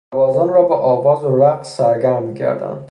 سربازان را با آواز و رقص سرگرم میکردند.